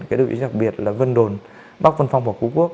cái vị trí đặc biệt là vân đồn bắc vân phong và phú quốc